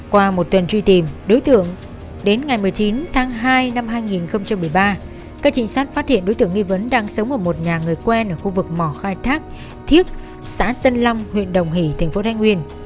qua một tuần truy tìm đối tượng đến ngày một mươi chín tháng hai năm hai nghìn một mươi ba các trịnh sát phát hiện đối tượng nghi vấn đang sống ở một nhà người quen ở khu vực mỏ khai thác thiếc xã tân lâm huyện đồng hỷ thành phố thanh nguyên